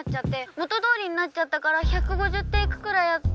元どおりになっちゃったから１５０テイクくらいやって」。